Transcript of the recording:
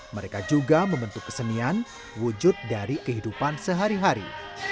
mereka juga membentuk kesenian wujud dari kehidupan sehari hari